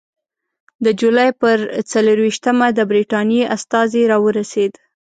د جولای پر څلېرویشتمه د برټانیې استازی راورسېد.